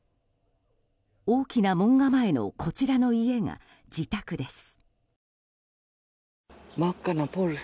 大きな門構えのこちらの家が自宅です。